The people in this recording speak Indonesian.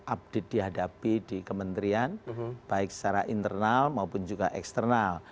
update dihadapi di kementerian baik secara internal maupun juga eksternal